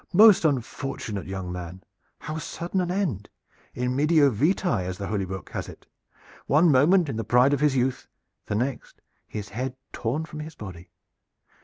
"Most unfortunate young man! How sudden an end! In medio vitae, as the Holy Book has it one moment in the pride of his youth, the next his head torn from his body.